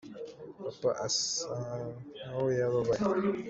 papa asankaho yababaye